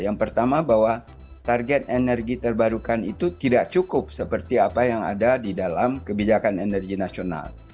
yang pertama bahwa target energi terbarukan itu tidak cukup seperti apa yang ada di dalam kebijakan energi nasional